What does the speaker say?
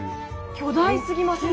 巨大すぎません？